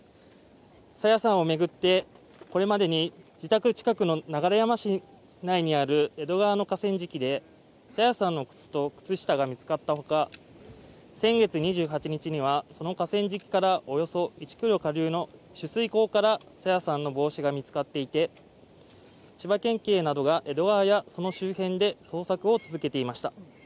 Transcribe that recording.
朝芽さんを巡って、これまでに自宅近くの流山市内にある江戸川の河川敷で朝芽さんの靴と靴下が見つかったほか先月２８日には、その河川敷からおよそ１ｋｍ下流の取水口から朝芽さんの帽子が見つかっていて、千葉県警などが江戸川やその周辺で捜索を続けていました。